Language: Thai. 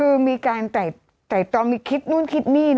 คือมีการแต่ต้อมิคิดนู้นคิดนี่นะ